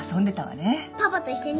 パパと一緒に？